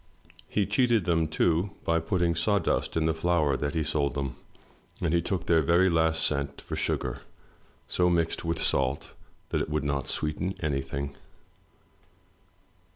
He cheated them, too, by putting saw dust in the flour that he sold them, and he took their very last cent for sugar so mixed with salt that it would not sweeten anything.